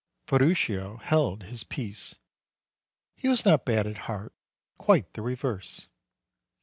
Ferruccio held his peace. He was not bad at heart ; quite the reverse.